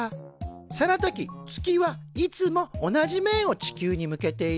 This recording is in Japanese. その時月はいつも同じ面を地球に向けているよ。